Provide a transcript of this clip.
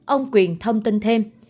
ông quyền thông tin thêm